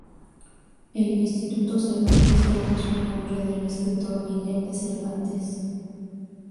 El Instituto Cervantes toma su nombre del escritor Miguel de Cervantes.